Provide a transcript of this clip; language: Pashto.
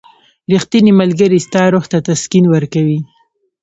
• ریښتینی ملګری ستا روح ته تسکین ورکوي.